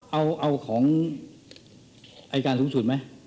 เอาของอายการสูงสุดไหม